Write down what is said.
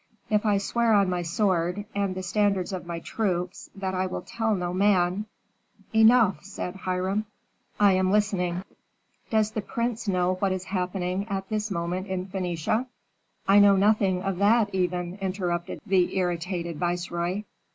"If I swear on my sword, and the standards of my troops, that I will tell no man " "Enough," said Hiram. "I am listening." "Does the prince know what is happening at this moment in Phœnicia?" "I know nothing of that, even," interrupted the irritated viceroy.